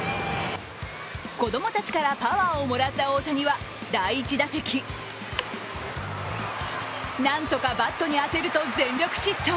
子供たちからパワーをもらった大谷は第１打席、なんとかバットに当てると全力疾走。